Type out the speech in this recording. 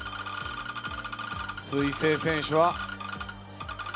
彗星選手は。